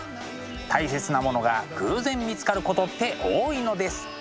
大切なものが偶然見つかることって多いのです。